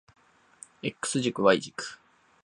X 軸 Y 軸